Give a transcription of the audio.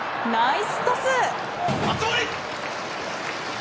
ナイスパス！